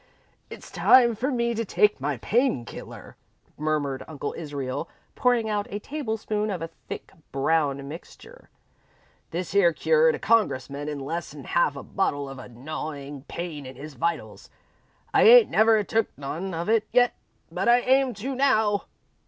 "It's time for me to take my pain killer," murmured Uncle Israel, pouring out a tablespoonful of a thick, brown mixture. "This here cured a Congressman in less 'n half a bottle of a gnawin' pain in his vitals. I ain't never took none of it yet, but I aim to now."